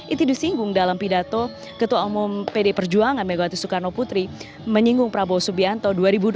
itu disinggung dalam pidato ketua umum pd perjuangan megawati soekarno putri menyinggung prabowo subianto dua ribu dua puluh